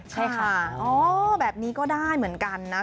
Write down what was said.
ใช่ค่ะอ๋อแบบนี้ก็ได้เหมือนกันนะ